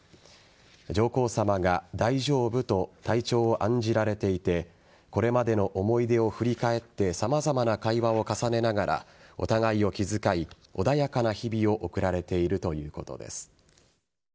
上皇さまが大丈夫？と体調を案じられていてこれまでの思い出を振り返って様々な会話を重ねながらお互いを気遣い穏やかな日々を送られているということです。